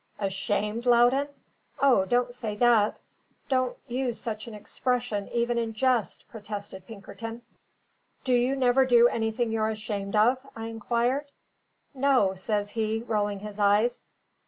"Ashamed, Loudon? O, don't say that; don't use such an expression even in jest!" protested Pinkerton. "Do you never do anything you're ashamed of?" I inquired. "No," says he, rolling his eyes.